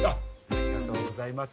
ありがとうございます。